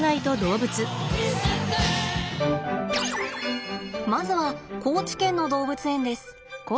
まずは高知県の動物園です。